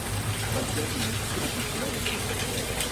Tolkien n'indique pas sa couleur de cheveux.